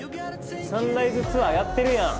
サンライズツアーやってるやん